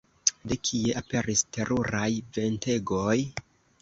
De kie aperis teruraj ventegoj?